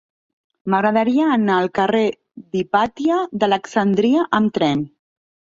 M'agradaria anar al carrer d'Hipàtia d'Alexandria amb tren.